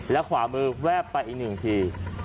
แล้วขวามือแวบไปอีกหนึ่งที